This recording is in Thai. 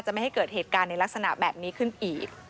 ไม่ให้เกิดเหตุการณ์ในลักษณะแบบนี้ขึ้นอีก